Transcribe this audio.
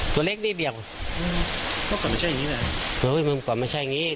ตัวเล็กนี่เดี่ยงมันก่อนไม่ใช่อย่างงี้แหละโอ้ยมันก่อนไม่ใช่อย่างงี้